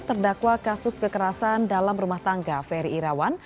terdakwa kasus kekerasan dalam rumah tangga ferry irawan